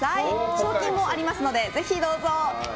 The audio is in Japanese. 賞金もありますのでぜひどうぞ。